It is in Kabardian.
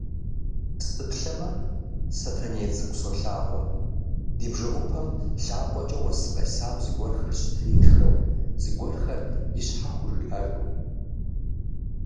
Сыплъэмэ, Сэтэней цӏыкӏу солагъур, ди бжэӏупэм лъакъуэкӏэ уэс къесам зыгуэрхэр щытритхэу, зыгуэрхэр ищхьэ хужиӏэжу.